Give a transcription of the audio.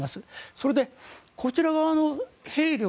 それでこちら側の兵力